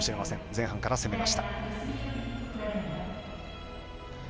前半から攻めました。